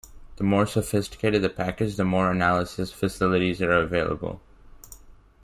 The more sophisticated the package, the more analysis facilities are available.